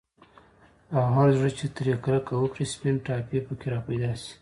او هر زړه چي ترې كركه وكړي، سپين ټاپى په كي راپيدا شي